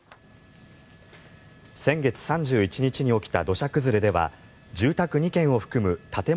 先月３１日に起きた土砂崩れでは住宅２軒を含む建物